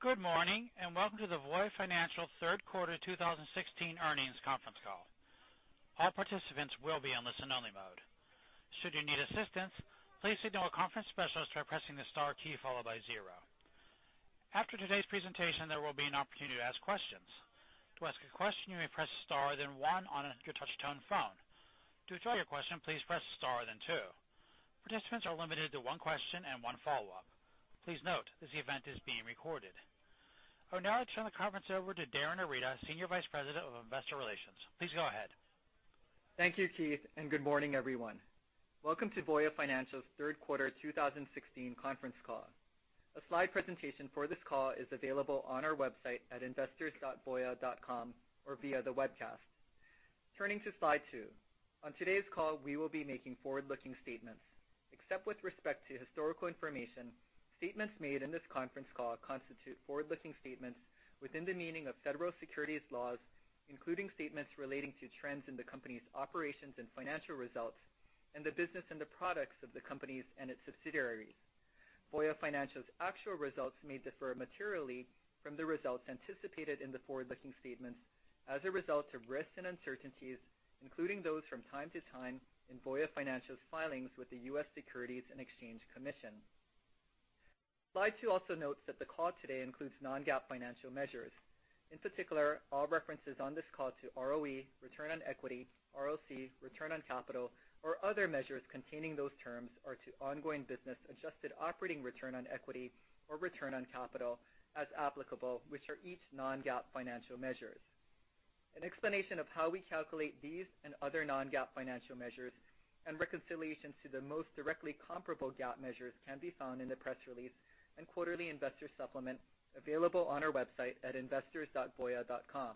Good morning, and welcome to the Voya Financial third quarter 2016 earnings conference call. All participants will be on listen only mode. Should you need assistance, please signal a conference specialist by pressing the star key followed by 0. After today's presentation, there will be an opportunity to ask questions. To ask a question, you may press star then 1 on your touch tone phone. To withdraw your question, please press star then 2. Participants are limited to one question and one follow-up. Please note, this event is being recorded. I will now turn the conference over to Darin Arita, Senior Vice President of Investor Relations. Please go ahead. Thank you, Darin, and good morning, everyone. Welcome to Voya Financial's third quarter 2016 conference call. A slide presentation for this call is available on our website at investors.voya.com or via the webcast. Turning to slide two. On today's call, we will be making forward-looking statements. Except with respect to historical information, statements made in this conference call constitute forward-looking statements within the meaning of federal securities laws, including statements relating to trends in the company's operations and financial results and the business and the products of the companies and its subsidiaries. Voya Financial's actual results may differ materially from the results anticipated in the forward-looking statements as a result of risks and uncertainties, including those from time to time in Voya Financial's filings with the U.S. Securities and Exchange Commission. Slide two also notes that the call today includes non-GAAP financial measures. In particular, all references on this call to ROE, return on equity, ROC, return on capital, or other measures containing those terms are to ongoing business adjusted operating return on equity or return on capital as applicable, which are each non-GAAP financial measures. An explanation of how we calculate these and other non-GAAP financial measures and reconciliations to the most directly comparable GAAP measures can be found in the press release and quarterly investor supplement available on our website at investors.voya.com.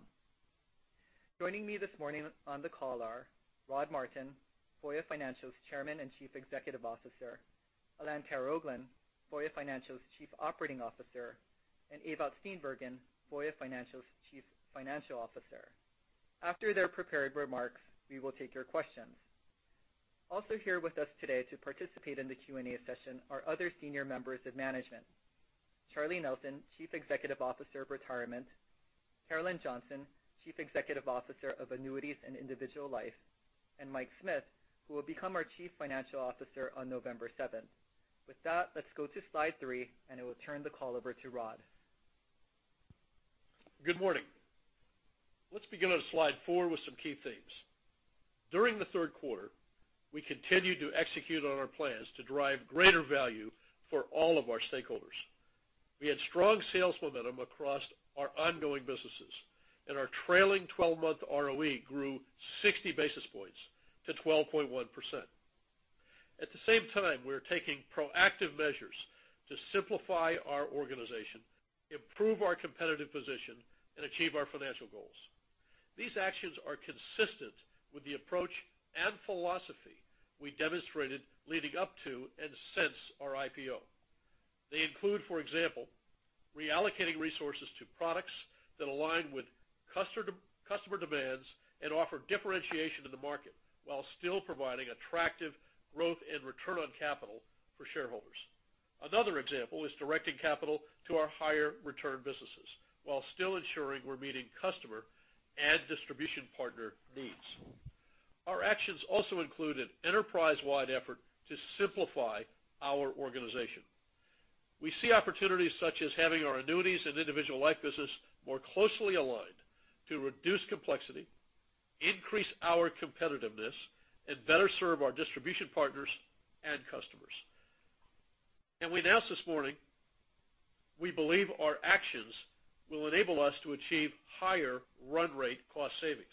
Joining me this morning on the call are Rod Martin, Voya Financial's Chairman and Chief Executive Officer, Alain Karaoglan, Voya Financial's Chief Operating Officer, and Ewout Steenbergen, Voya Financial's Chief Financial Officer. After their prepared remarks, we will take your questions. Also here with us today to participate in the Q&A session are other senior members of management, Charlie Nelson, Chief Executive Officer of Retirement, Carolyn Johnson, Chief Executive Officer of Annuities and Individual Life, and Michael Smith, who will become our Chief Financial Officer on November 7th. With that, let's go to slide three, and I will turn the call over to Rod. Good morning. Let's begin on slide four with some key themes. During the third quarter, we continued to execute on our plans to drive greater value for all of our stakeholders. We had strong sales momentum across our ongoing businesses, and our trailing 12-month ROE grew 60 basis points to 12.1%. At the same time, we are taking proactive measures to simplify our organization, improve our competitive position, and achieve our financial goals. These actions are consistent with the approach and philosophy we demonstrated leading up to and since our IPO. They include, for example, reallocating resources to products that align with customer demands and offer differentiation in the market while still providing attractive growth and return on capital for shareholders. Another example is directing capital to our higher return businesses while still ensuring we're meeting customer and distribution partner needs. Our actions also include an enterprise-wide effort to simplify our organization. We see opportunities such as having our Annuities and Individual Life business more closely aligned to reduce complexity, increase our competitiveness, and better serve our distribution partners and customers. We announced this morning, we believe our actions will enable us to achieve higher run rate cost savings.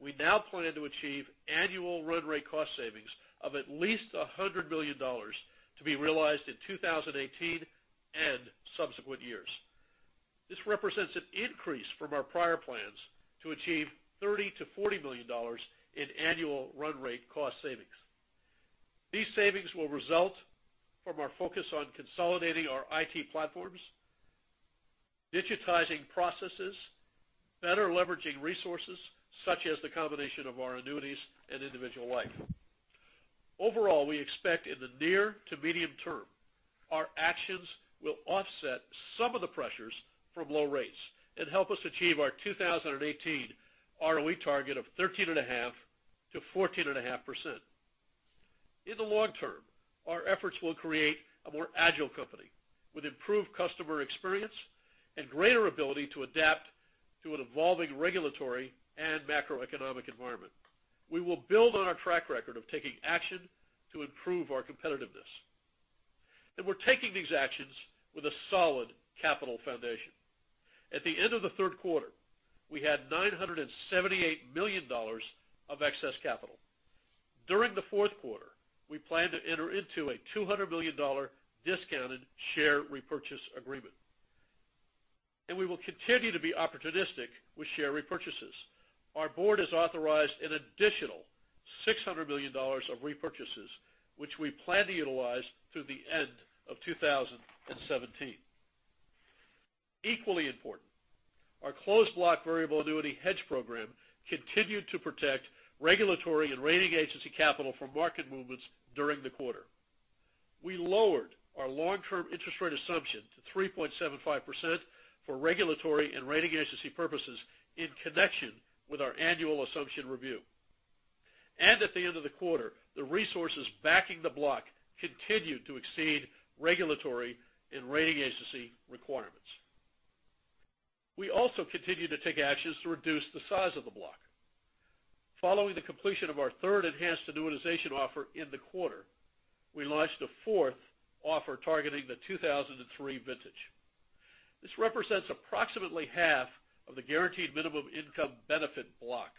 We now plan to achieve annual run rate cost savings of at least $100 million to be realized in 2018 and subsequent years. This represents an increase from our prior plans to achieve $30 million-$40 million in annual run rate cost savings. These savings will result from our focus on consolidating our IT platforms, digitizing processes, better leveraging resources such as the combination of our Annuities and Individual Life. Overall, we expect in the near to medium term, our actions will offset some of the pressures from low rates and help us achieve our 2018 ROE target of 13.5%-14.5%. In the long term, our efforts will create a more agile company with improved customer experience and greater ability to adapt to an evolving regulatory and macroeconomic environment. We will build on our track record of taking action to improve our competitiveness. We're taking these actions with a solid capital foundation. At the end of the third quarter, we had $978 million of excess capital. During the fourth quarter, we plan to enter into a $200 million discounted share repurchase agreement. We will continue to be opportunistic with share repurchases. Our board has authorized an additional $600 million of repurchases, which we plan to utilize through the end of 2017. Equally important. Our Closed Block Variable Annuity hedge program continued to protect regulatory and rating agency capital from market movements during the quarter. We lowered our long-term interest rate assumption to 3.75% for regulatory and rating agency purposes in connection with our annual assumption review. At the end of the quarter, the resources backing the block continued to exceed regulatory and rating agency requirements. We also continued to take actions to reduce the size of the block. Following the completion of our third enhanced annuitization offer in the quarter, we launched a fourth offer targeting the 2003 vintage. This represents approximately half of the guaranteed minimum income benefit block.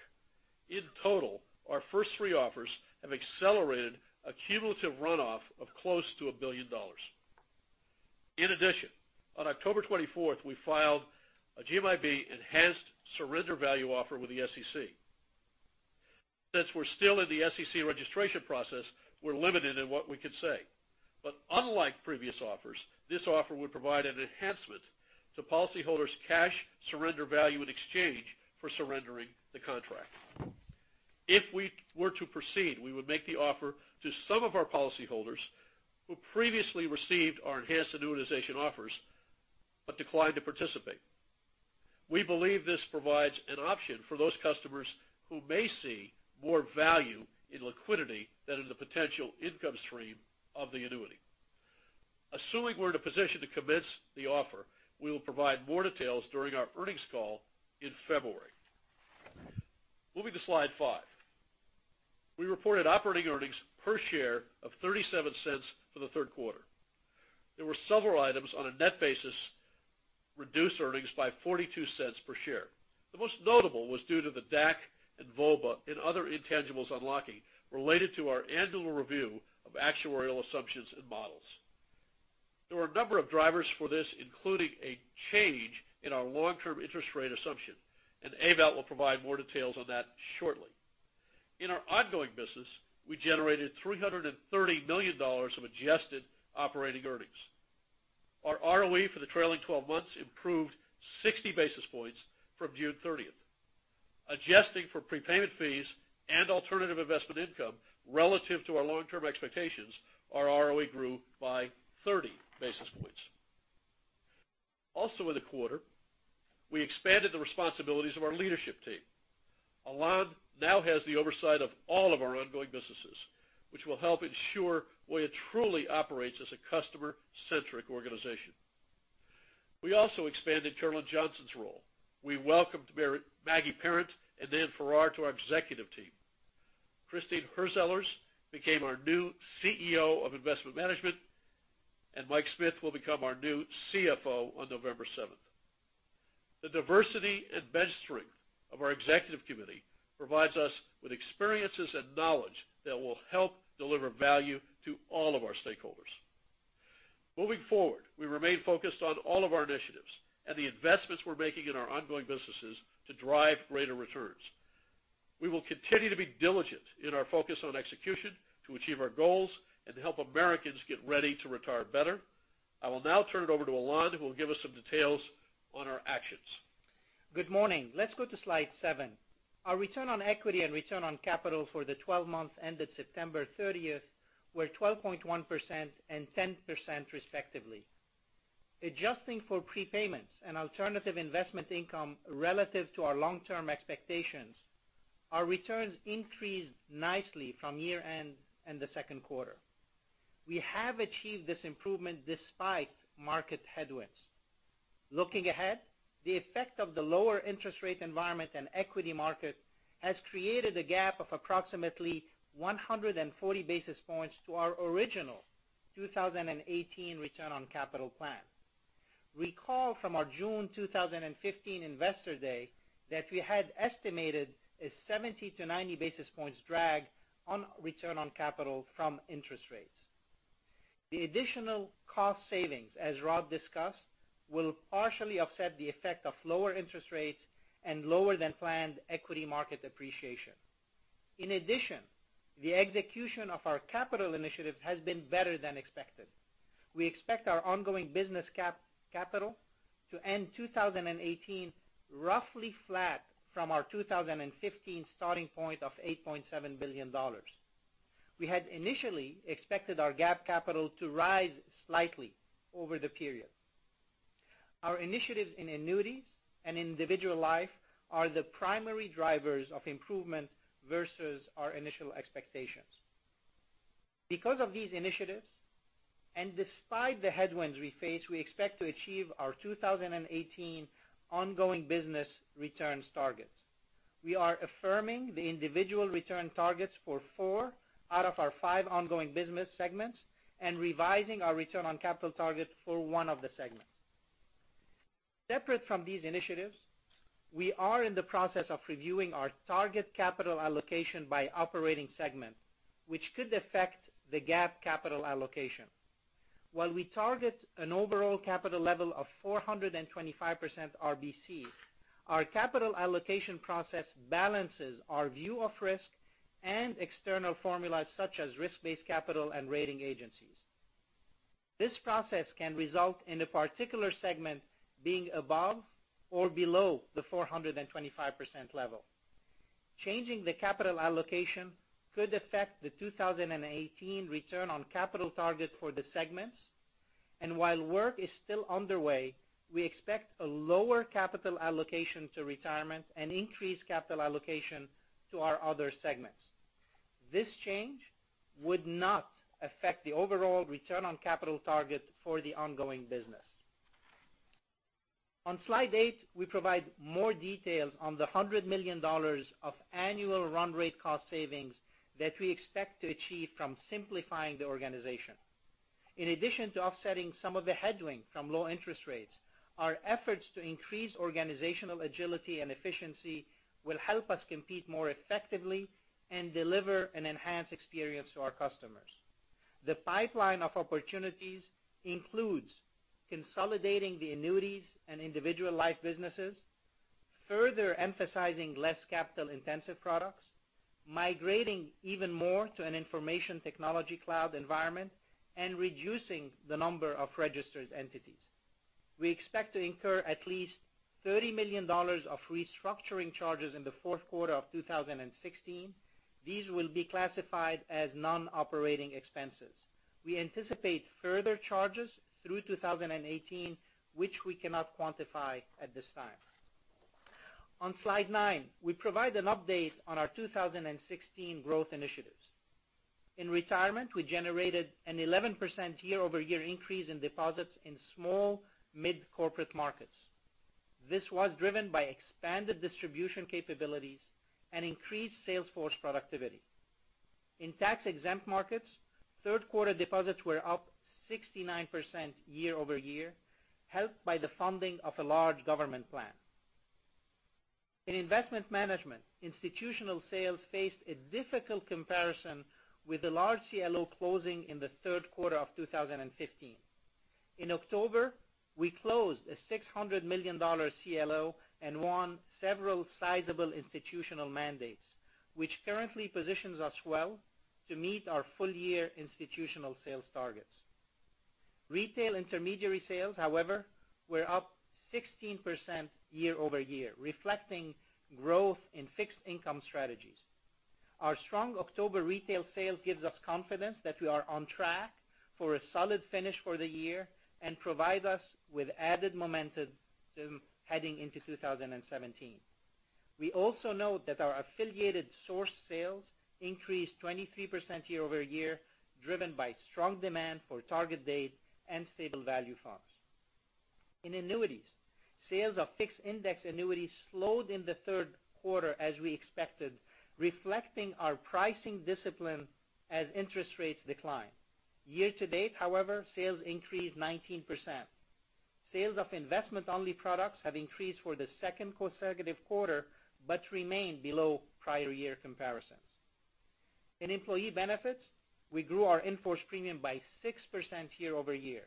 In total, our first three offers have accelerated a cumulative runoff of close to $1 billion. In addition, on October 24th, we filed a GMIB enhanced surrender value offer with the SEC. Since we're still in the SEC registration process, we're limited in what we can say. Unlike previous offers, this offer would provide an enhancement to policyholders' cash surrender value in exchange for surrendering the contract. If we were to proceed, we would make the offer to some of our policyholders who previously received our enhanced annuitization offers but declined to participate. We believe this provides an option for those customers who may see more value in liquidity than in the potential income stream of the annuity. Assuming we're in a position to commence the offer, we will provide more details during our earnings call in February. Moving to slide five. We reported operating earnings per share of $0.37 for the third quarter. There were several items on a net basis, reduced earnings by $0.42 per share. The most notable was due to the DAC and VOBAand other intangibles unlocking related to our annual review of actuarial assumptions and models. There were a number of drivers for this, including a change in our long-term interest rate assumption, and Ewout will provide more details on that shortly. In our ongoing business, we generated $330 million of adjusted operating earnings. Our ROE for the trailing 12 months improved 60 basis points from June 30th. Adjusting for prepayment fees and alternative investment income relative to our long-term expectations, our ROE grew by 30 basis points. Also in the quarter, we expanded the responsibilities of our leadership team. Alain now has the oversight of all of our ongoing businesses, which will help ensure Voya truly operates as a customer-centric organization. We also expanded Carolyn Johnson's role. We welcomed Maggie Parent and Nan Ferrara to our executive team. Christine Hurtsellers became our new CEO of Investment Management, and Michael Smith will become our new CFO on November 7th. The diversity and bench strength of our executive committee provides us with experiences and knowledge that will help deliver value to all of our stakeholders. Moving forward, we remain focused on all of our initiatives and the investments we're making in our ongoing businesses to drive greater returns. We will continue to be diligent in our focus on execution to achieve our goals and to help Americans get ready to retire better. I will now turn it over to Alain, who will give us some details on our actions. Good morning. Let's go to slide seven. Our return on equity and return on capital for the 12 months ended September 30th were 12.1% and 10%, respectively. Adjusting for prepayments and alternative investment income relative to our long-term expectations, our returns increased nicely from year-end in the second quarter. We have achieved this improvement despite market headwinds. Looking ahead, the effect of the lower interest rate environment and equity market has created a gap of approximately 140 basis points to our original 2018 return on capital plan. Recall from our June 2015 Investor Day that we had estimated a 70 to 90 basis points drag on return on capital from interest rates. The additional cost savings, as Rod discussed, will partially offset the effect of lower interest rates and lower than planned equity market appreciation. In addition, the execution of our capital initiative has been better than expected. We expect our ongoing business capital to end 2018 roughly flat from our 2015 starting point of $8.7 billion. We had initially expected our GAAP capital to rise slightly over the period. Our initiatives in Annuities and Individual Life are the primary drivers of improvement versus our initial expectations. Because of these initiatives, and despite the headwinds we face, we expect to achieve our 2018 ongoing business returns targets. We are affirming the individual return targets for four out of our five ongoing business segments and revising our return on capital target for one of the segments. Separate from these initiatives, we are in the process of reviewing our target capital allocation by operating segment, which could affect the GAAP capital allocation. While we target an overall capital level of 425% RBC, our capital allocation process balances our view of risk and external formulas such as risk-based capital and rating agencies. This process can result in a particular segment being above or below the 425% level. Changing the capital allocation could affect the 2018 return on capital target for the segments. While work is still underway, we expect a lower capital allocation to Retirement and increased capital allocation to our other segments. This change would not affect the overall return on capital target for the ongoing business. On slide eight, we provide more details on the $100 million of annual run rate cost savings that we expect to achieve from simplifying the organization. In addition to offsetting some of the headwind from low interest rates, our efforts to increase organizational agility and efficiency will help us compete more effectively and deliver an enhanced experience to our customers. The pipeline of opportunities includes consolidating the Annuities and Individual Life businesses, further emphasizing less capital-intensive products, migrating even more to an information technology cloud environment, and reducing the number of registered entities. We expect to incur at least $30 million of restructuring charges in the fourth quarter of 2016. These will be classified as non-operating expenses. We anticipate further charges through 2018, which we cannot quantify at this time. On slide nine, we provide an update on our 2016 growth initiatives. In Retirement, we generated an 11% year-over-year increase in deposits in small mid-corporate markets. This was driven by expanded distribution capabilities and increased sales force productivity. In tax-exempt markets, third quarter deposits were up 69% year-over-year, helped by the funding of a large government plan. In Investment Management, institutional sales faced a difficult comparison with the large CLO closing in the third quarter of 2015. In October, we closed a $600 million CLO and won several sizable institutional mandates, which currently positions us well to meet our full year institutional sales targets. Retail intermediary sales, however, were up 16% year-over-year, reflecting growth in fixed income strategies. Our strong October retail sales gives us confidence that we are on track for a solid finish for the year and provide us with added momentum heading into 2017. We also note that our affiliated source sales increased 23% year-over-year, driven by strong demand for target date and stable value funds. In Annuities, sales of fixed index annuities slowed in the third quarter as we expected, reflecting our pricing discipline as interest rates decline. Year-to-date, however, sales increased 19%. Sales of investment-only products have increased for the second consecutive quarter but remain below prior year comparisons. In Employee Benefits, we grew our in-force premium by 6% year-over-year.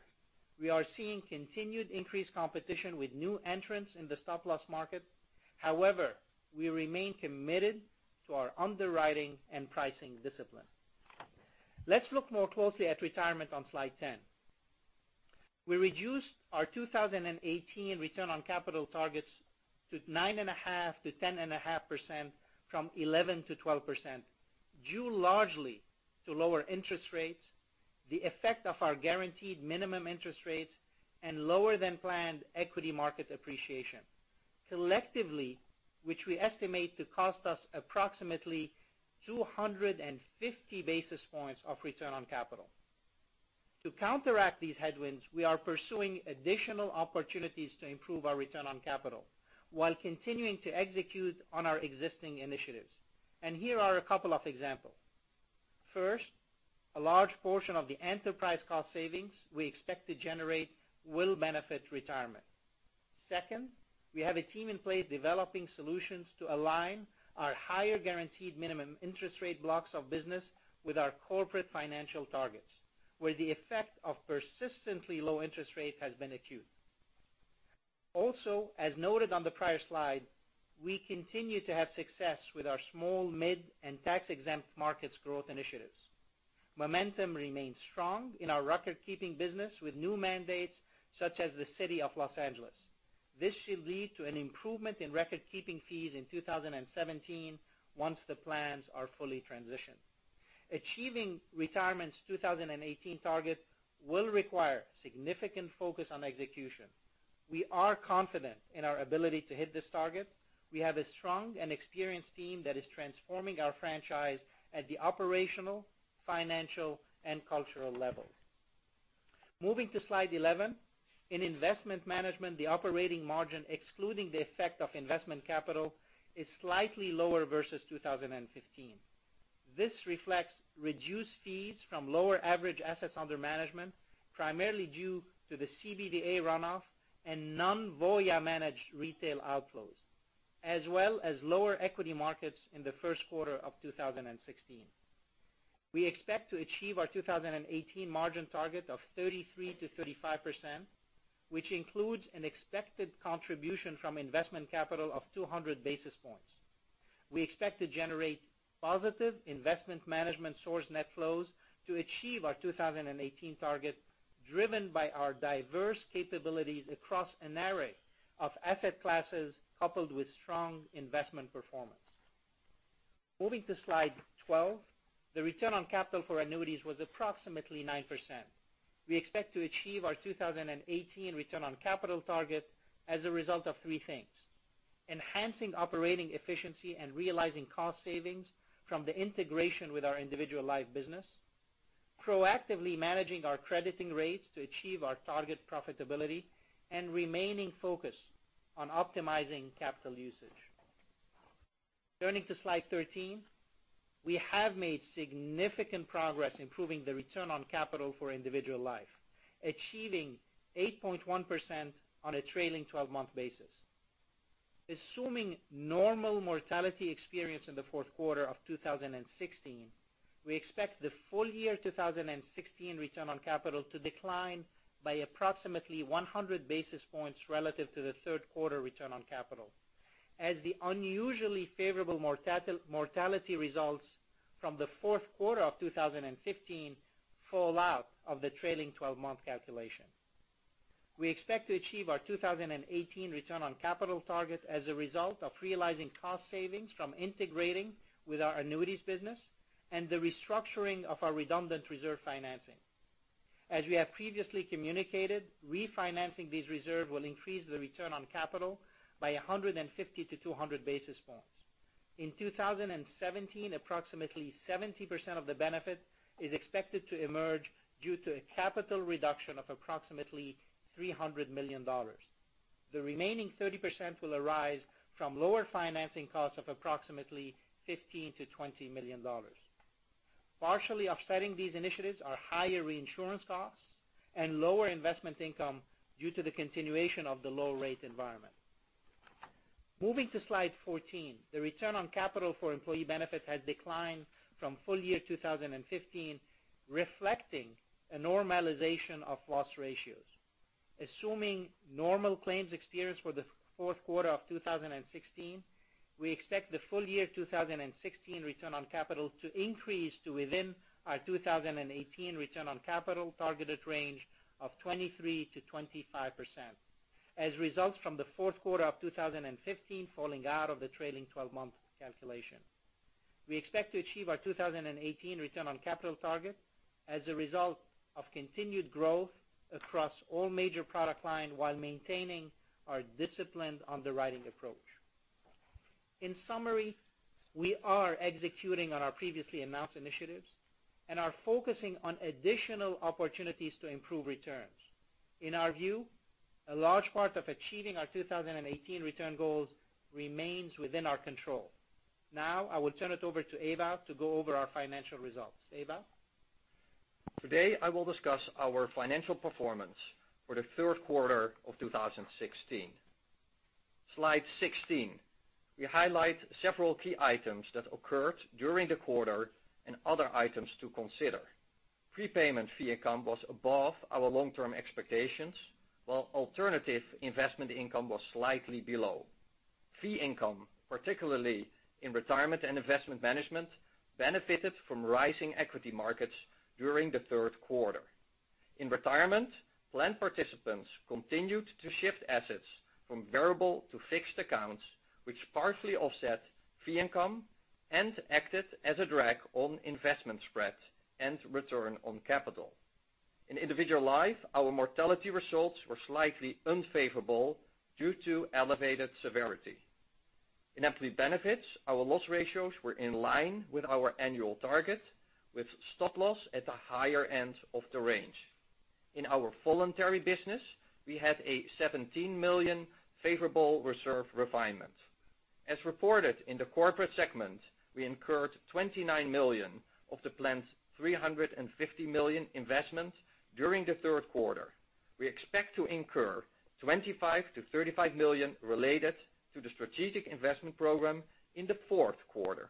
We are seeing continued increased competition with new entrants in the Stop Loss market. However, we remain committed to our underwriting and pricing discipline. Let's look more closely at Retirement on slide 10. We reduced our 2018 Return on Capital targets to 9.5%-10.5% from 11%-12%, due largely to lower interest rates, the effect of our guaranteed minimum interest rates, and lower than planned equity market appreciation. Collectively, which we estimate to cost us approximately 250 basis points of Return on Capital. To counteract these headwinds, we are pursuing additional opportunities to improve our Return on Capital while continuing to execute on our existing initiatives. Here are a couple of examples. First, a large portion of the enterprise cost savings we expect to generate will benefit Retirement. Second, we have a team in place developing solutions to align our higher guaranteed minimum interest rate blocks of business with our corporate financial targets, where the effect of persistently low interest rates has been acute. Also, as noted on the prior slide, we continue to have success with our small, mid, and tax-exempt markets growth initiatives. Momentum remains strong in our record-keeping business with new mandates such as the City of Los Angeles. This should lead to an improvement in record-keeping fees in 2017 once the plans are fully transitioned. Achieving Retirement's 2018 target will require significant focus on execution. We are confident in our ability to hit this target. We have a strong and experienced team that is transforming our franchise at the operational, financial, and cultural levels. Moving to slide 11. In Investment Management, the operating margin, excluding the effect of investment capital, is slightly lower versus 2015. This reflects reduced fees from lower average assets under management, primarily due to the CBVA runoff and non-Voya managed retail outflows, as well as lower equity markets in the first quarter of 2016. We expect to achieve our 2018 margin target of 33%-35%, which includes an expected contribution from investment capital of 200 basis points. We expect to generate positive Investment Management source net flows to achieve our 2018 target, driven by our diverse capabilities across an array of asset classes, coupled with strong investment performance. Moving to slide 12, the Return on Capital for Annuities was approximately 9%. We expect to achieve our 2018 Return on Capital target as a result of three things. Enhancing operating efficiency and realizing cost savings from the integration with our Individual Life business, proactively managing our crediting rates to achieve our target profitability, and remaining focused on optimizing capital usage. Turning to slide 13, we have made significant progress improving the Return on Capital for Individual Life, achieving 8.1% on a trailing 12-month basis. Assuming normal mortality experience in the fourth quarter of 2016, we expect the full year 2016 Return on Capital to decline by approximately 100 basis points relative to the third quarter Return on Capital, as the unusually favorable mortality results from the fourth quarter of 2015 fall out of the trailing 12-month calculation. We expect to achieve our 2018 return on capital target as a result of realizing cost savings from integrating with our Annuities business and the restructuring of our redundant reserve financing. As we have previously communicated, refinancing this reserve will increase the return on capital by 150 to 200 basis points. In 2017, approximately 70% of the benefit is expected to emerge due to a capital reduction of approximately $300 million. The remaining 30% will arise from lower financing costs of approximately $15 million-$20 million. Partially offsetting these initiatives are higher reinsurance costs and lower investment income due to the continuation of the low rate environment. Moving to slide 14, the return on capital for Employee Benefits has declined from full year 2015, reflecting a normalization of loss ratios. Assuming normal claims experience for the fourth quarter of 2016, we expect the full year 2016 return on capital to increase to within our 2018 return on capital targeted range of 23%-25%, as results from the fourth quarter of 2015 falling out of the trailing 12-month calculation. We expect to achieve our 2018 return on capital target as a result of continued growth across all major product line, while maintaining our disciplined underwriting approach. In summary, we are executing on our previously announced initiatives and are focusing on additional opportunities to improve returns. In our view, a large part of achieving our 2018 return goals remains within our control. Now, I will turn it over to Ewout to go over our financial results. Ewout? Today, I will discuss our financial performance for the third quarter of 2016. Slide 16. We highlight several key items that occurred during the quarter and other items to consider. Prepayment fee income was above our long-term expectations, while alternative investment income was slightly below. Fee income, particularly in Retirement and Investment Management, benefited from rising equity markets during the third quarter. In Retirement, plan participants continued to shift assets from variable to fixed accounts, which partially offset fee income and acted as a drag on investment spread and return on capital. In Individual Life, our mortality results were slightly unfavorable due to elevated severity. In Employee Benefits, our loss ratios were in line with our annual target, with Stop Loss at the higher end of the range. In our voluntary business, we had a $17 million favorable reserve refinement. As reported in the corporate segment, we incurred $29 million of the planned $350 million investment during the third quarter. We expect to incur $25 million-$35 million related to the strategic investment program in the fourth quarter.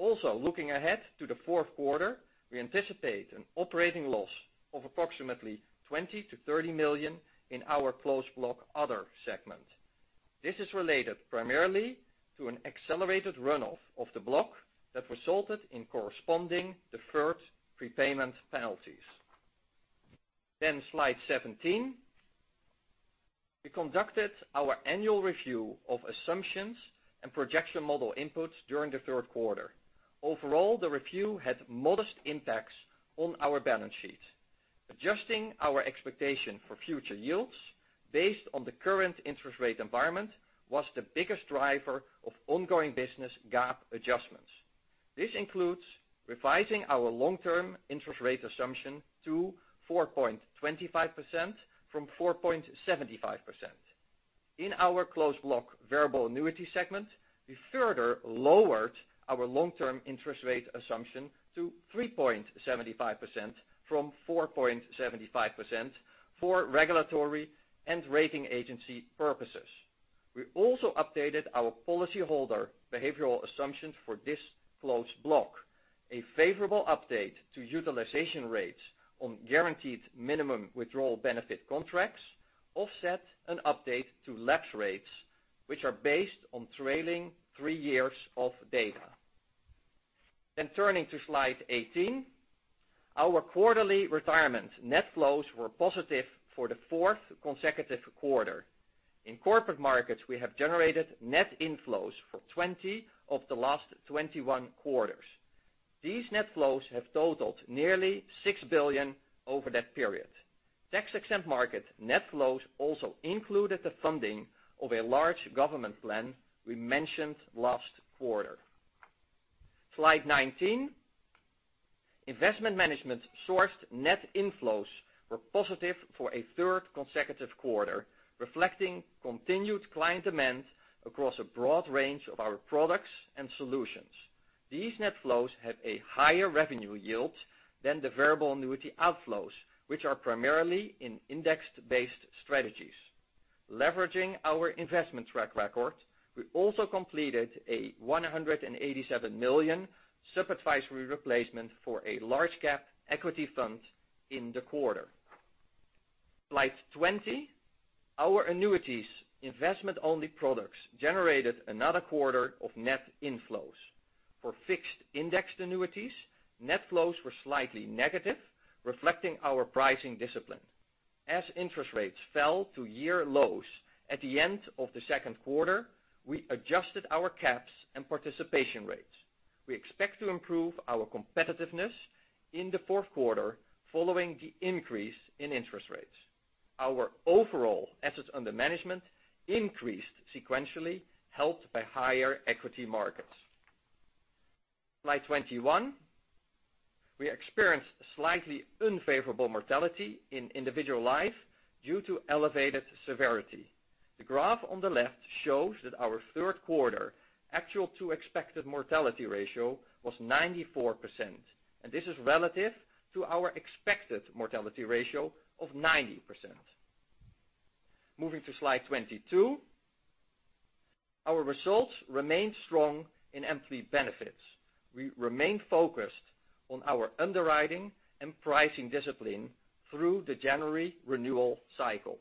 Also, looking ahead to the fourth quarter, we anticipate an operating loss of approximately $20 million-$30 million in our closed block other segment. This is related primarily to an accelerated runoff of the block that resulted in corresponding deferred prepayment penalties. Slide 17. We conducted our annual review of assumptions and projection model inputs during the third quarter. Overall, the review had modest impacts on our balance sheet. Adjusting our expectation for future yields based on the current interest rate environment was the biggest driver of ongoing business GAAP adjustments. This includes revising our long-term interest rate assumption to 4.25% from 4.75%. In our Closed Block Variable Annuity segment, we further lowered our long-term interest rate assumption to 3.75% from 4.75% for regulatory and rating agency purposes. We also updated our policyholder behavioral assumptions for this Closed Block. A favorable update to utilization rates on guaranteed minimum withdrawal benefit contracts offset an update to lapse rates, which are based on trailing three years of data. Turning to slide 18, our quarterly Retirement net flows were positive for the fourth consecutive quarter. In corporate markets, we have generated net inflows for 20 of the last 21 quarters. These net flows have totaled nearly $6 billion over that period. Tax-exempt market net flows also included the funding of a large government plan we mentioned last quarter. Slide 19. Investment Management sourced net inflows were positive for a third consecutive quarter, reflecting continued client demand across a broad range of our products and solutions. These net flows have a higher revenue yield than the variable annuity outflows, which are primarily in index-based strategies. Leveraging our investment track record, we also completed a $187 million sub-advisory replacement for a large cap equity fund in the quarter. Slide 20. Our Annuities investment-only products generated another quarter of net inflows. For fixed index annuities, net flows were slightly negative, reflecting our pricing discipline. As interest rates fell to year lows at the end of the second quarter, we adjusted our caps and participation rates. We expect to improve our competitiveness in the fourth quarter following the increase in interest rates. Our overall assets under management increased sequentially, helped by higher equity markets. Slide 21. We experienced slightly unfavorable mortality in Individual Life due to elevated severity. The graph on the left shows that our third quarter actual to expected mortality ratio was 94%. This is relative to our expected mortality ratio of 90%. Moving to slide 22, our results remain strong in Employee Benefits. We remain focused on our underwriting and pricing discipline through the January renewal cycle.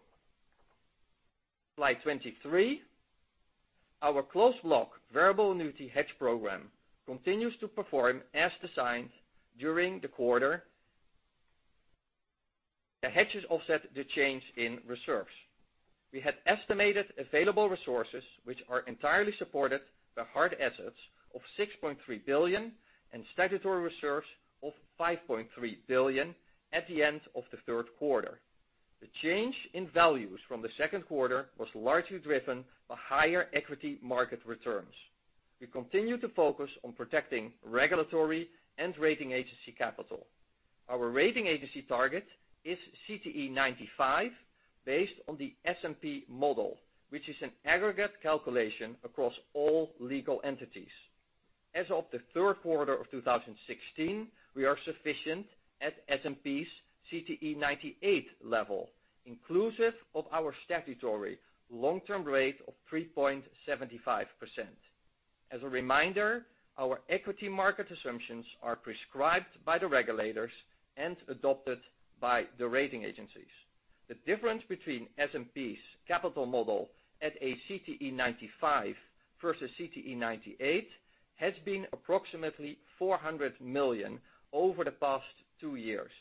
Slide 23. Our Closed Block Variable Annuity hedge program continues to perform as designed during the quarter. The hedges offset the change in reserves. We had estimated available resources, which are entirely supported by hard assets of $6.3 billion and statutory reserves of $5.3 billion at the end of the third quarter. The change in values from the second quarter was largely driven by higher equity market returns. We continue to focus on protecting regulatory and rating agency capital. Our rating agency target is CTE 95, based on the S&P model, which is an aggregate calculation across all legal entities. As of the third quarter of 2016, we are sufficient at S&P's CTE 98 level, inclusive of our statutory long-term rate of 3.75%. As a reminder, our equity market assumptions are prescribed by the regulators and adopted by the rating agencies. The difference between S&P's capital model at a CTE 95 versus CTE 98 has been approximately $400 million over the past two years.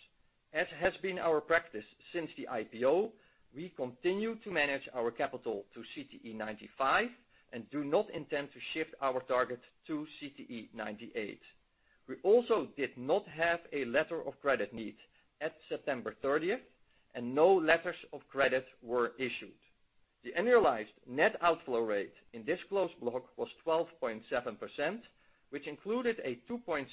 As has been our practice since the IPO, we continue to manage our capital to CTE 95 and do not intend to shift our target to CTE 98. We also did not have a letter of credit need at September 30th. No letters of credit were issued. The annualized net outflow rate in this closed block was 12.7%, which included a 2.6%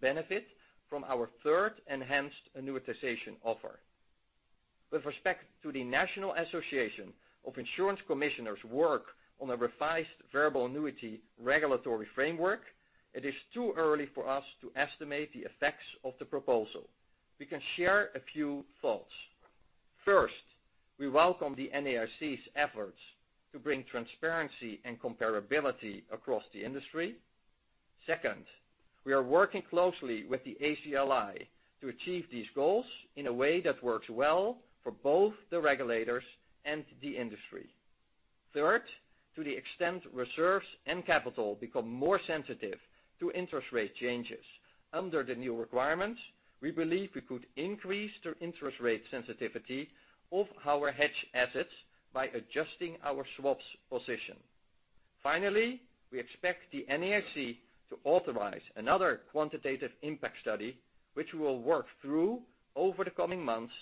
benefit from our third enhanced annuitization offer. With respect to the National Association of Insurance Commissioners work on a revised variable annuity regulatory framework, it is too early for us to estimate the effects of the proposal. We can share a few thoughts. First, we welcome the NAIC's efforts to bring transparency and comparability across the industry. Second, we are working closely with the ACLI to achieve these goals in a way that works well for both the regulators and the industry. Third, to the extent reserves and capital become more sensitive to interest rate changes. Under the new requirements, we believe we could increase the interest rate sensitivity of our hedged assets by adjusting our swaps position. We expect the NAIC to authorize another quantitative impact study, which we'll work through over the coming months,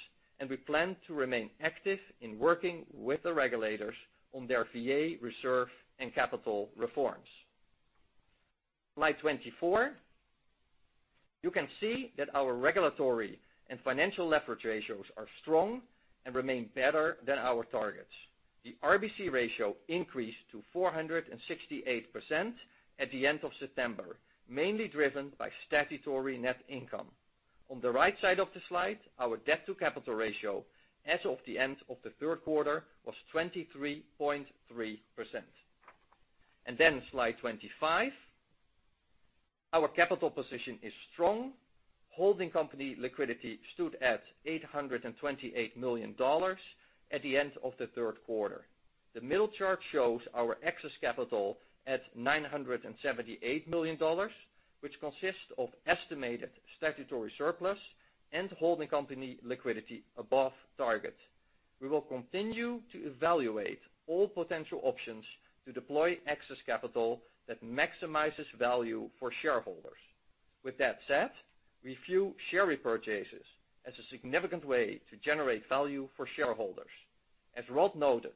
and we plan to remain active in working with the regulators on their VA reserve and capital reforms. Slide 24. You can see that our regulatory and financial leverage ratios are strong and remain better than our targets. The RBC ratio increased to 468% at the end of September, mainly driven by statutory net income. On the right side of the slide, our debt to capital ratio as of the end of the third quarter was 23.3%. Slide 25. Our capital position is strong. Holding company liquidity stood at $828 million at the end of the third quarter. The middle chart shows our excess capital at $978 million, which consists of estimated statutory surplus and holding company liquidity above target. We will continue to evaluate all potential options to deploy excess capital that maximizes value for shareholders. With that said, we view share repurchases as a significant way to generate value for shareholders. As Rod noted,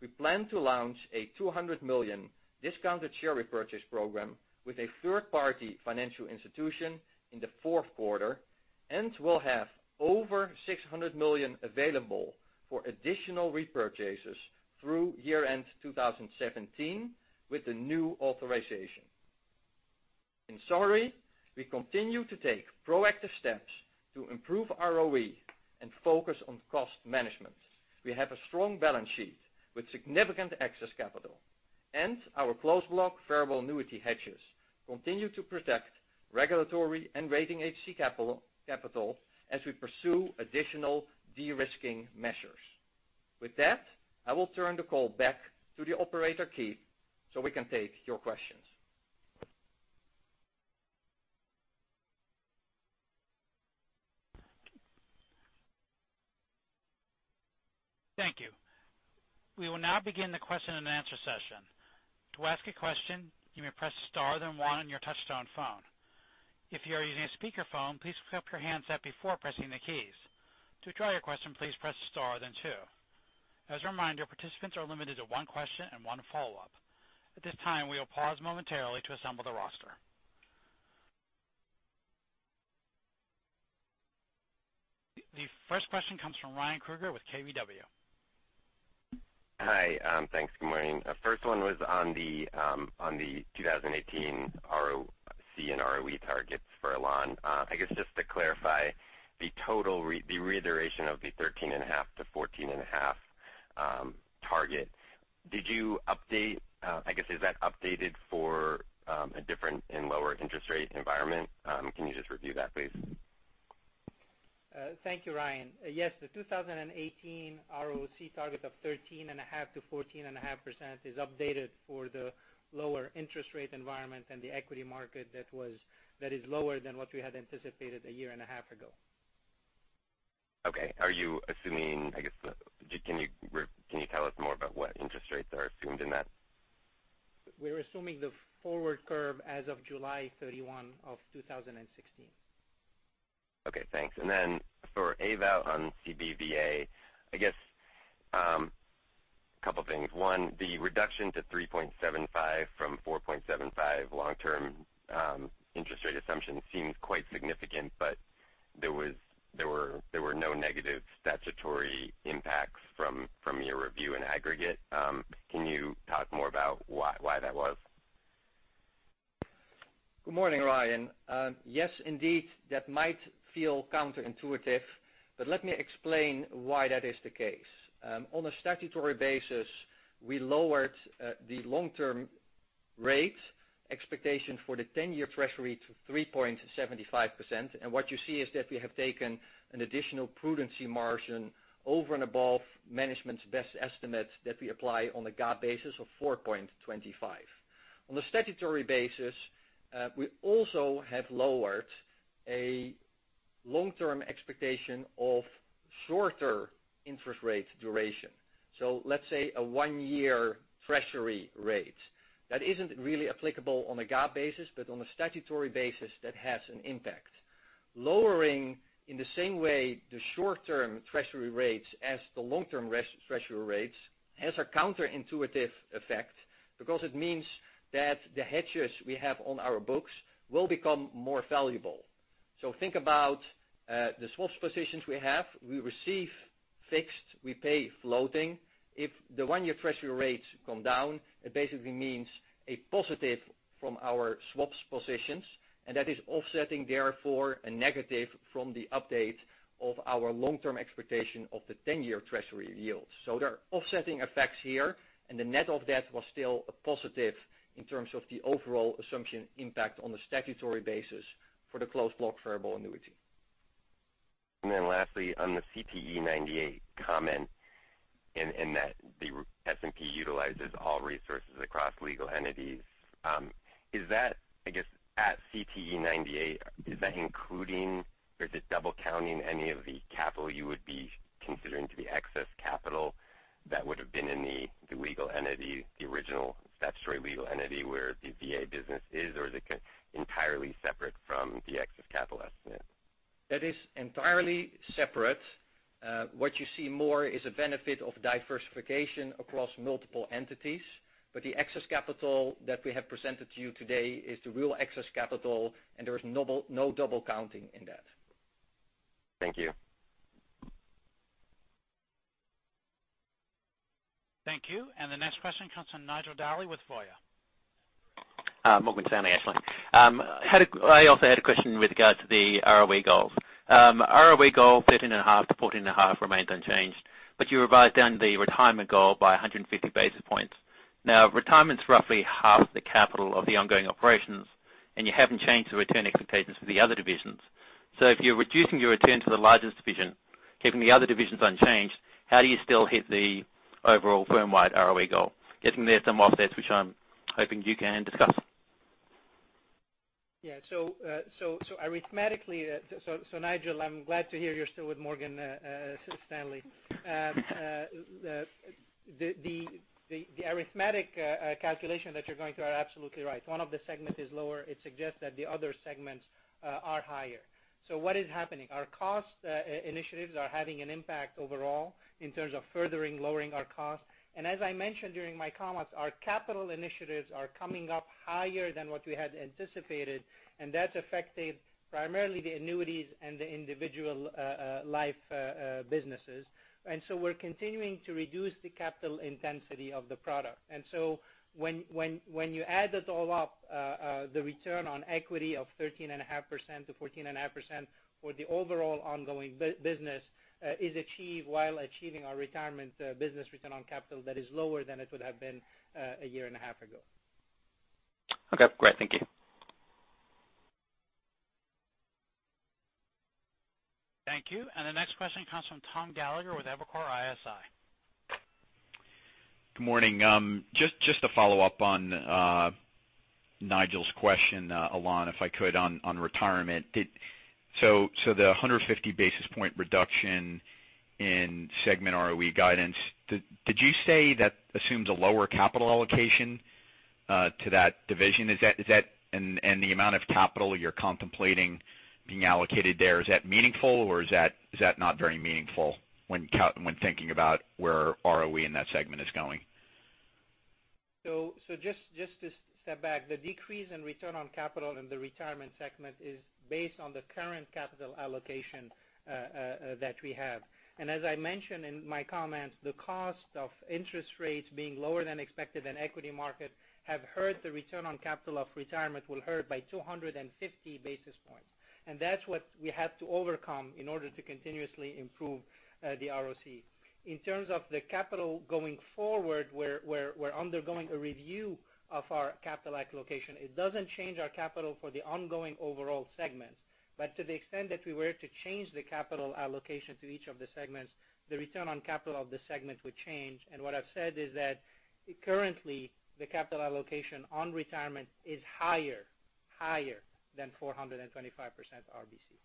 we plan to launch a $200 million discounted share repurchase program with a third-party financial institution in the fourth quarter and will have over $600 million available for additional repurchases through year end 2017 with the new authorization. In summary, we continue to take proactive steps to improve ROE and focus on cost management. We have a strong balance sheet with significant excess capital. Our closed block variable annuity hedges continue to protect regulatory and rating agency capital as we pursue additional de-risking measures. With that, I will turn the call back to the operator, Keith, so we can take your questions. Thank you. We will now begin the question and answer session. To ask a question, you may press star, then one on your touchtone phone. If you are using a speakerphone, please pick up your handset before pressing the keys. To withdraw your question, please press star, then two. As a reminder, participants are limited to one question and one follow-up. At this time, we will pause momentarily to assemble the roster. The first question comes from Ryan Krueger with KBW. Hi, thanks. Good morning. First one was on the 2018 ROC and ROE targets for Alain. I guess just to clarify the reiteration of the 13.5%-14.5% target. I guess is that updated for a different and lower interest rate environment? Can you just review that, please? Thank you, Ryan. Yes, the 2018 ROC target of 13.5%-14.5% is updated for the lower interest rate environment and the equity market that is lower than what we had anticipated a year and a half ago. Okay. Are you assuming, I guess, can you tell us more about what interest rates are assumed in that? We're assuming the forward curve as of July 31 of 2016. Okay, thanks. For Ewout on CBVA, I guess, couple things. One, the reduction to 3.75 from 4.75 long-term interest rate assumption seems quite significant, but there were no negative statutory impacts from your review in aggregate. Can you talk more about why that was? Good morning, Ryan. Yes, indeed, that might feel counterintuitive, but let me explain why that is the case. On a statutory basis, we lowered the long-term rate expectation for the 10-year treasury to 3.75%. What you see is that we have taken an additional prudency margin over and above management's best estimate that we apply on a GAAP basis of 4.25. On the statutory basis, we also have lowered a long-term expectation of shorter interest rate duration. Let's say a one-year treasury rate. That isn't really applicable on a GAAP basis, but on a statutory basis, that has an impact. Lowering in the same way the short-term treasury rates as the long-term treasury rates has a counterintuitive effect because it means that the hedges we have on our books will become more valuable. Think about the swaps positions we have. We receive fixed, we pay floating. If the one-year treasury rates come down, it basically means a positive from our swaps positions, and that is offsetting therefore a negative from the update of our long-term expectation of the 10-year treasury yield. There are offsetting effects here, and the net of that was still a positive in terms of the overall assumption impact on the statutory basis for the closed block variable annuity. Lastly, on the CTE98 comment in that the S&P utilizes all resources across legal entities. I guess at CTE98, is that including or is it double counting any of the capital you would be considering to be excess capital that would have been in the legal entity, the original statutory legal entity where the VA business is, or is it entirely separate from the excess capital estimate? That is entirely separate. What you see more is a benefit of diversification across multiple entities. The excess capital that we have presented to you today is the real excess capital, and there is no double counting in that. Thank you. Thank you. The next question comes from Nigel Dally with Morgan Stanley. Morgan Stanley, actually. I also had a question with regards to the ROE goals. ROE goal 13.5%-14.5% remains unchanged, you revised down the Retirement goal by 150 basis points. Retirement's roughly half the capital of the ongoing operations, you haven't changed the return expectations for the other divisions. If you're reducing your return to the largest division, keeping the other divisions unchanged, how do you still hit the overall firm-wide ROE goal? Guessing there's some offsets, which I'm hoping you can discuss. Yeah. Nigel, I'm glad to hear you're still with Morgan Stanley. The arithmetic calculation that you're going through are absolutely right. One of the segment is lower, it suggests that the other segments are higher. What is happening? Our cost initiatives are having an impact overall in terms of furthering lowering our costs. As I mentioned during my comments, our capital initiatives are coming up higher than what we had anticipated, and that's affecting primarily the Annuities and the Individual Life businesses. We're continuing to reduce the capital intensity of the product. When you add it all up, the return on equity of 13.5%-14.5% for the overall ongoing business is achieved while achieving our Retirement business return on capital that is lower than it would have been a year and a half ago. Okay, great. Thank you. Thank you. The next question comes from Tom Gallagher with Evercore ISI. Good morning. Just to follow up on Nigel's question, Alain, if I could, on Retirement. The 150 basis point reduction in segment ROE guidance, did you say that assumes a lower capital allocation to that division? The amount of capital you're contemplating being allocated there, is that meaningful or is that not very meaningful when thinking about where ROE in that segment is going? Just to step back, the decrease in return on capital in the Retirement segment is based on the current capital allocation that we have. As I mentioned in my comments, the cost of interest rates being lower than expected and equity market have hurt the return on capital of Retirement, will hurt by 250 basis points. That's what we have to overcome in order to continuously improve the ROC. In terms of the capital going forward, we're undergoing a review of our capital allocation. It doesn't change our capital for the ongoing overall segments. To the extent that we were to change the capital allocation to each of the segments, the return on capital of the segment would change. What I've said is that currently the capital allocation on Retirement is higher than 425% RBC.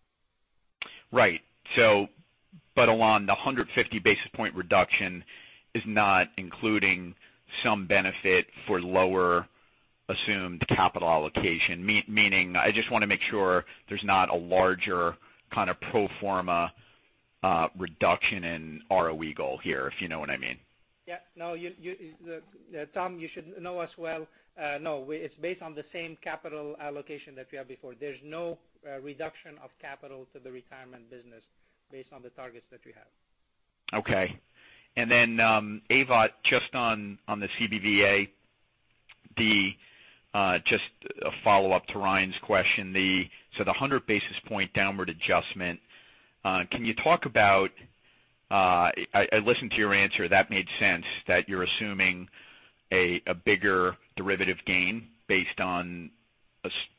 Right. Alain, the 150 basis point reduction is not including some benefit for lower assumed capital allocation. Meaning, I just want to make sure there's not a larger kind of pro forma reduction in ROE goal here, if you know what I mean. Tom, you should know us well. It's based on the same capital allocation that we had before. There's no reduction of capital to the Retirement business based on the targets that we have. Okay. Ewout, just on the CBVA, just a follow-up to Ryan's question. The 100 basis point downward adjustment, I listened to your answer. That made sense that you're assuming a bigger derivative gain based on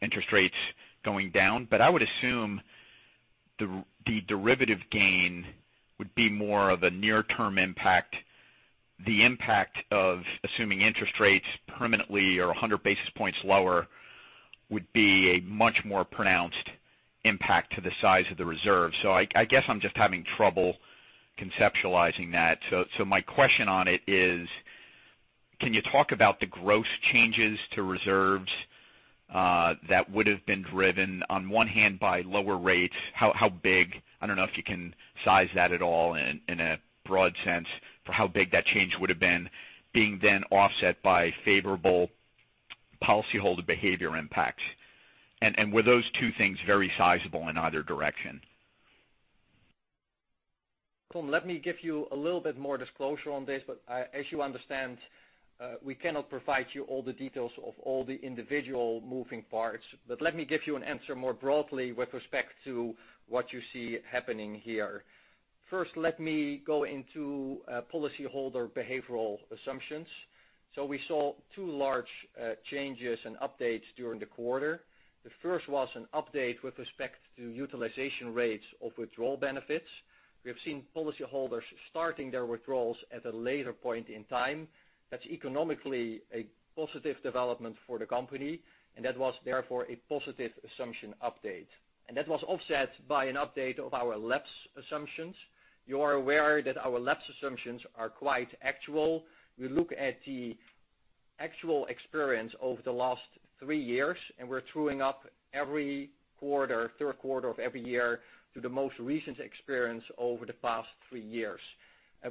interest rates going down. I would assume the derivative gain would be more of a near term impact. The impact of assuming interest rates permanently or 100 basis points lower would be a much more pronounced impact to the size of the reserve. I guess I'm just having trouble conceptualizing that. My question on it is can you talk about the gross changes to reserves that would have been driven on one hand by lower rates? How big? I don't know if you can size that at all in a broad sense for how big that change would've been, being then offset by favorable policyholder behavior impacts. Were those two things very sizable in either direction? Tom, let me give you a little bit more disclosure on this, as you understand, we cannot provide you all the details of all the individual moving parts. Let me give you an answer more broadly with respect to what you see happening here. First, let me go into policyholder behavioral assumptions. We saw two large changes and updates during the quarter. The first was an update with respect to utilization rates of withdrawal benefits. We have seen policyholders starting their withdrawals at a later point in time. That's economically a positive development for the company, that was therefore a positive assumption update. That was offset by an update of our lapse assumptions. You are aware that our lapse assumptions are quite actual. We look at the actual experience over the last three years, we're truing up every quarter, third quarter of every year to the most recent experience over the past three years.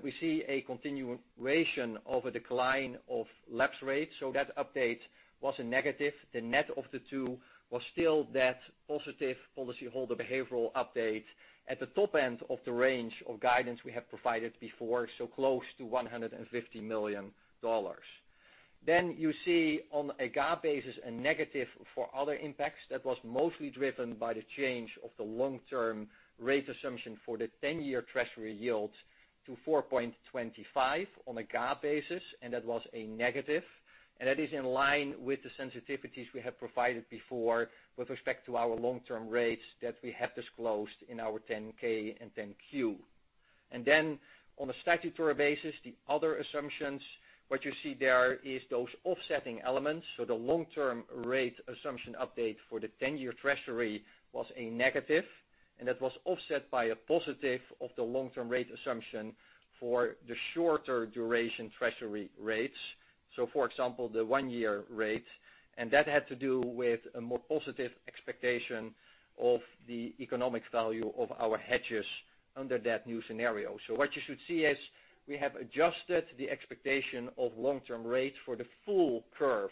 We see a continuation of a decline of lapse rates. That update was a negative. The net of the two was still that positive policyholder behavioral update at the top end of the range of guidance we have provided before, so close to $150 million. You see on a GAAP basis, a negative for other impacts that was mostly driven by the change of the long-term rate assumption for the 10-year treasury yield to 4.25 on a GAAP basis, that was a negative. That is in line with the sensitivities we have provided before with respect to our long-term rates that we have disclosed in our 10-K and 10-Q. On a statutory basis, the other assumptions, what you see there is those offsetting elements. The long-term rate assumption update for the 10-year treasury was a negative, that was offset by a positive of the long-term rate assumption for the shorter duration treasury rates. For example, the one-year rate, that had to do with a more positive expectation of the economic value of our hedges under that new scenario. What you should see is we have adjusted the expectation of long-term rates for the full curve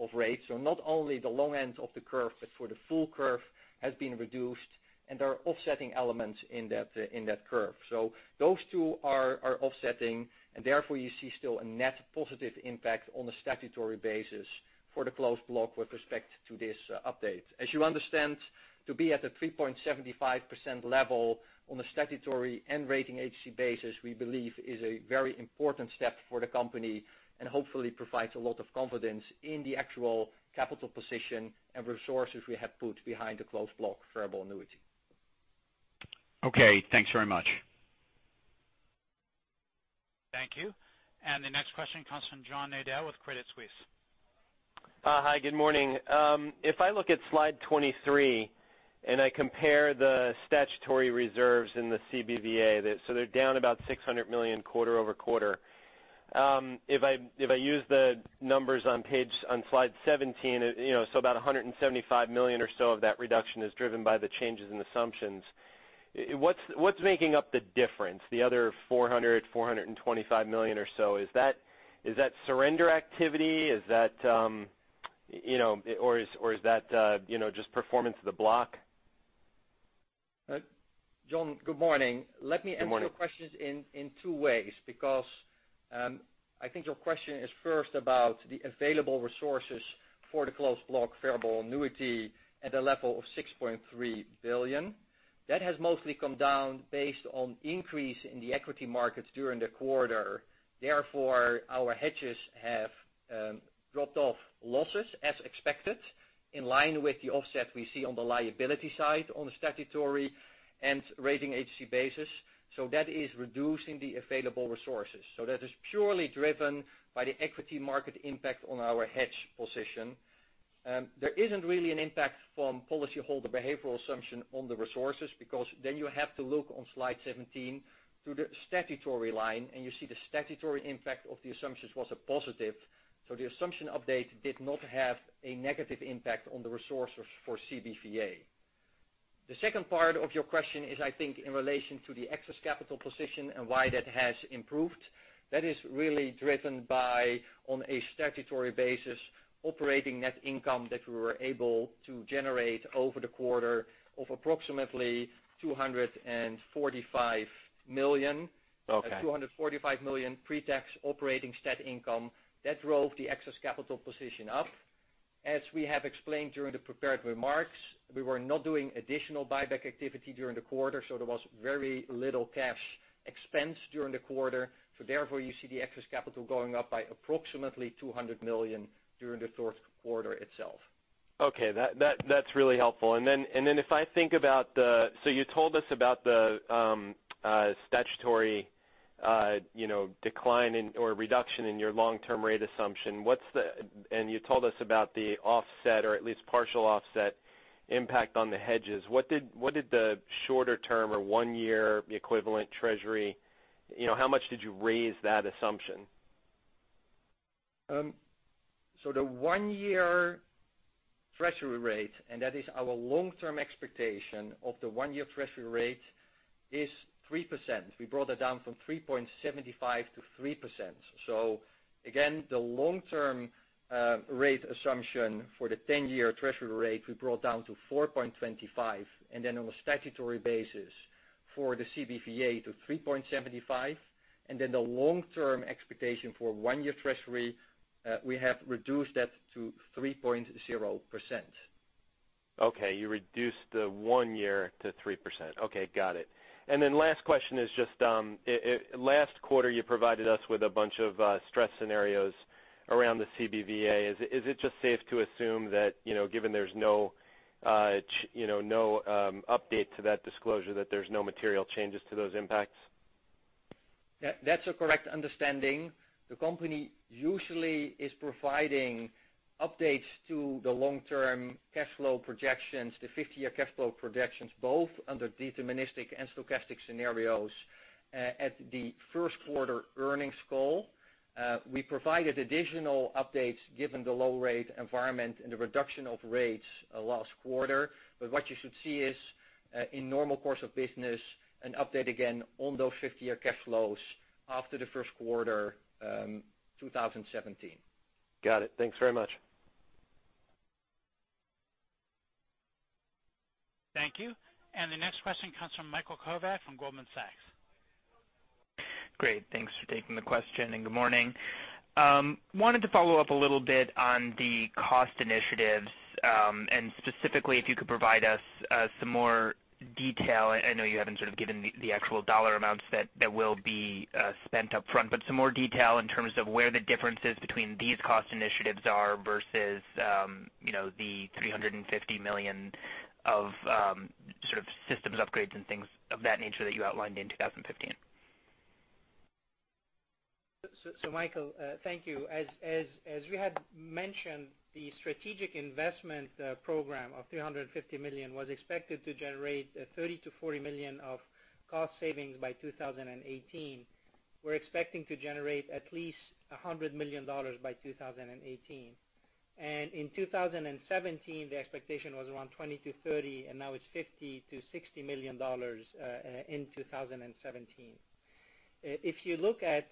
of rates. Not only the low end of the curve, but for the full curve has been reduced, there are offsetting elements in that curve. Those two are offsetting, therefore you see still a net positive impact on the statutory basis for the closed block with respect to this update. As you understand, to be at the 3.75% level on a statutory and rating agency basis, we believe is a very important step for the company and hopefully provides a lot of confidence in the actual capital position and resources we have put behind the Closed Block Variable Annuity. Okay. Thanks very much. Thank you. The next question comes from John Nadel with Credit Suisse. Hi, good morning. If I look at slide 23 and I compare the statutory reserves in the CBVA, they're down about $600 million quarter-over-quarter. If I use the numbers on slide 17, about $175 million or so of that reduction is driven by the changes in assumptions. What's making up the difference, the other $400 million, $425 million or so? Is that surrender activity? Or is that just performance of the block? John, good morning. Good morning. Let me answer your questions in two ways, because I think your question is first about the available resources for the closed block variable annuity at a level of $6.3 billion. That has mostly come down based on increase in the equity markets during the quarter. Our hedges have dropped off losses as expected, in line with the offset we see on the liability side on the statutory and rating agency basis. That is reducing the available resources. That is purely driven by the equity market impact on our hedge position. There isn't really an impact from policyholder behavioral assumption on the resources because you have to look on slide 17 to the statutory line and you see the statutory impact of the assumptions was a positive. The assumption update did not have a negative impact on the resources for CBVA. The second part of your question is, I think, in relation to the excess capital position and why that has improved. That is really driven by, on a statutory basis, operating net income that we were able to generate over the quarter of approximately $245 million. Okay. $245 million pre-tax operating stat income. That drove the excess capital position up. As we have explained during the prepared remarks, we were not doing additional buyback activity during the quarter, so there was very little cash expense during the quarter. Therefore you see the excess capital going up by approximately $200 million during the fourth quarter itself. Okay. That's really helpful. If I think about the statutory decline or reduction in your long-term rate assumption. You told us about the offset or at least partial offset impact on the hedges. What did the shorter term or one-year equivalent treasury, how much did you raise that assumption? The one-year treasury rate, and that is our long-term expectation of the one-year treasury rate, is 3%. We brought that down from 3.75% to 3%. Again, the long-term rate assumption for the 10-year treasury rate we brought down to 4.25%, and then on a statutory basis for the CBVA to 3.75%. The long-term expectation for one-year treasury, we have reduced that to 3.0%. Okay. You reduced the one-year to 3%. Okay, got it. Last question is just, last quarter you provided us with a bunch of stress scenarios around the CBVA. Is it just safe to assume that, given there's no update to that disclosure, that there's no material changes to those impacts? That's a correct understanding. The company usually is providing updates to the long-term cash flow projections, the 50-year cash flow projections, both under deterministic and stochastic scenarios at the first quarter earnings call. We provided additional updates given the low rate environment and the reduction of rates last quarter. What you should see is, in normal course of business, an update again on those 50-year cash flows after the first quarter 2017. Got it. Thanks very much. Thank you. The next question comes from Michael Kovac from Goldman Sachs. Great. Thanks for taking the question, and good morning. Wanted to follow up a little bit on the cost initiatives, and specifically, if you could provide us some more detail. I know you haven't given the actual dollar amounts that will be spent up front, but some more detail in terms of where the differences between these cost initiatives are versus the $350 million of systems upgrades and things of that nature that you outlined in 2015. Michael, thank you. As we had mentioned, the strategic investment program of $350 million was expected to generate $30 million to $40 million of cost savings by 2018. We're expecting to generate at least $100 million by 2018. In 2017, the expectation was around $20 million to $30 million, and now it's $50 million to $60 million in 2017. If you look at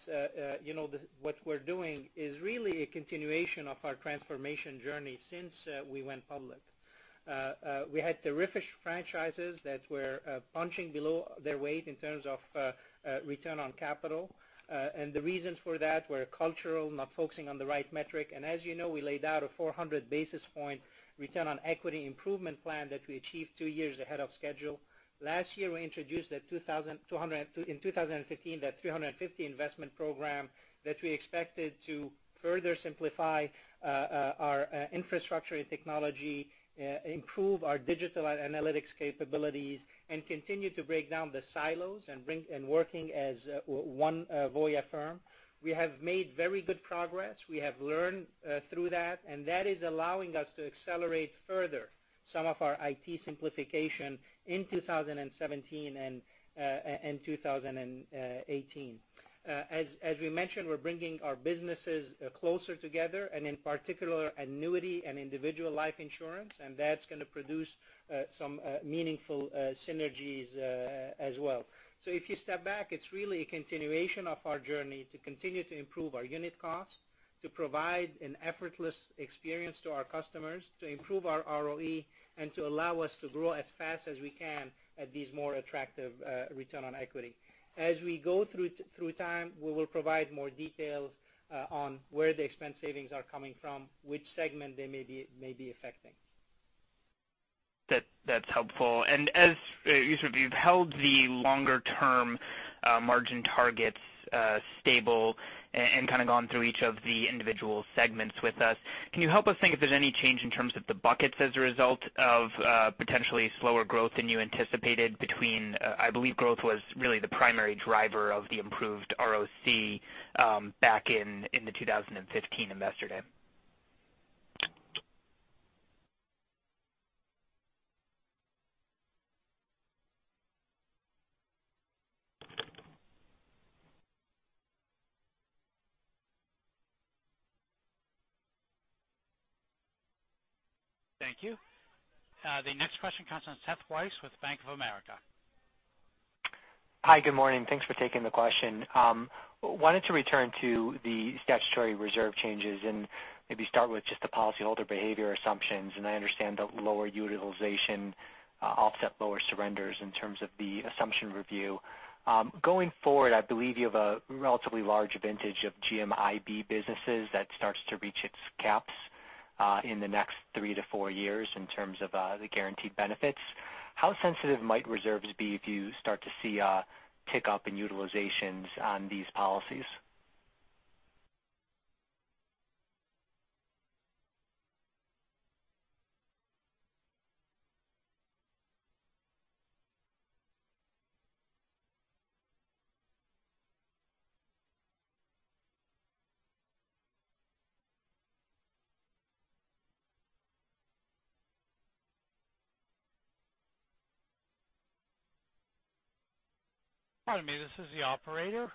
what we're doing, it is really a continuation of our transformation journey since we went public. We had terrific franchises that were punching below their weight in terms of return on capital. The reasons for that were cultural, not focusing on the right metric. As you know, we laid out a 400 basis point return on equity improvement plan that we achieved two years ahead of schedule. Last year, we introduced in 2015, that $350 million investment program that we expected to further simplify our infrastructure and technology, improve our digital analytics capabilities, and continue to break down the silos and working as one Voya Financial. We have made very good progress. We have learned through that, and that is allowing us to accelerate further some of our IT simplification in 2017 and 2018. As we mentioned, we're bringing our businesses closer together and in particular, Annuities and Individual Life, and that's going to produce some meaningful synergies as well. If you step back, it's really a continuation of our journey to continue to improve our unit costs, to provide an effortless experience to our customers, to improve our ROE, and to allow us to grow as fast as we can at these more attractive return on equity. As we go through time, we will provide more details on where the expense savings are coming from, which segment they may be affecting. That's helpful. As you said, you've held the longer-term margin targets stable and gone through each of the individual segments with us. Can you help us think if there's any change in terms of the buckets as a result of potentially slower growth than you anticipated between, I believe growth was really the primary driver of the improved ROC back in the 2015 Investor Day. Thank you. The next question comes from Seth Weiss with Bank of America. Hi, good morning. Thanks for taking the question. Wanted to return to the statutory reserve changes and maybe start with just the policyholder behavior assumptions. I understand the lower utilization offset lower surrenders in terms of the assumption review. Going forward, I believe you have a relatively large vintage of GMIB businesses that starts to reach its caps in the next three to four years in terms of the guaranteed benefits. How sensitive might reserves be if you start to see a tick-up in utilizations on these policies? Pardon me, this is the operator.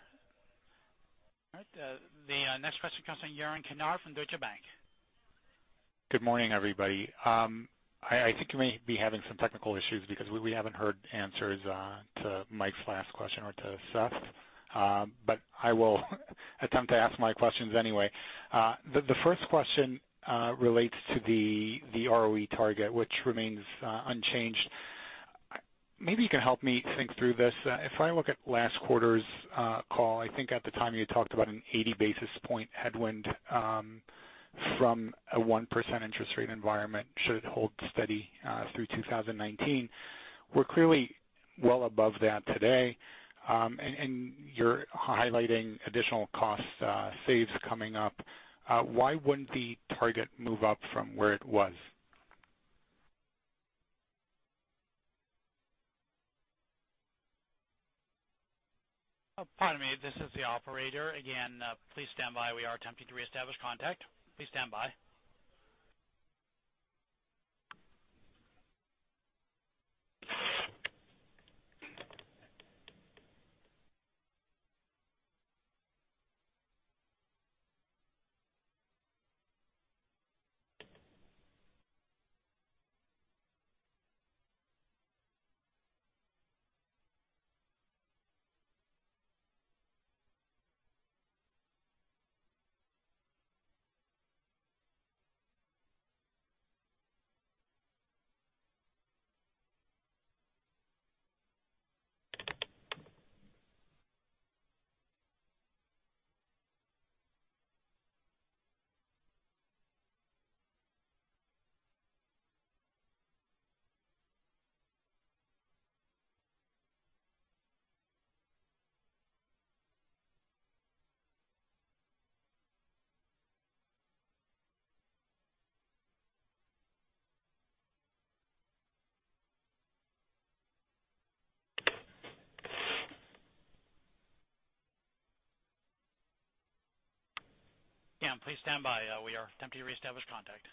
The next question comes from Yaron Kinar from Deutsche Bank. Good morning, everybody. I think we may be having some technical issues because we haven't heard answers to Mike's last question or to Seth's. I will attempt to ask my questions anyway. The first question relates to the ROE target, which remains unchanged. Maybe you can help me think through this. If I look at last quarter's call, I think at the time you had talked about an 80 basis point headwind from a 1% interest rate environment should hold steady through 2019. We're clearly well above that today. You're highlighting additional cost saves coming up. Why wouldn't the target move up from where it was? Pardon me, this is the operator again. Please stand by. We are attempting to reestablish contact. Please stand by. Yeah, please stand by. We are attempting to reestablish contact.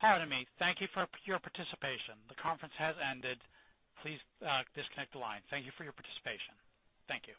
Pardon me. Thank you for your participation. The conference has ended. Please disconnect the line. Thank you for your participation. Thank you.